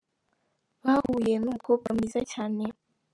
Bahuye n'umukobwa mwiza cyane.